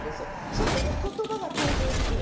そこにことばが登場する。